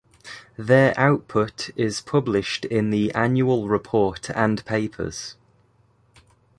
Their output is published in the annual report and papers.